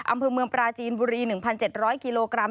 อำเภอเมืองปราจีนบุรี๑๗๐๐กิโลกรัม